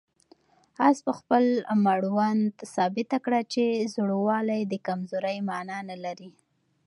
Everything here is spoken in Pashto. آس په خپل مړوند ثابته کړه چې زوړوالی د کمزورۍ مانا نه لري.